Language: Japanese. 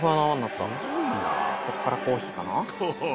こっからコーヒーかな？